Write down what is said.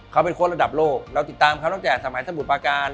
เขาเป็นโค้ดระดับโลกเราติดตามเขาตั้งแต่สมัยสมุทรปาการ